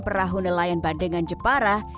perahunelayan badengan jeparah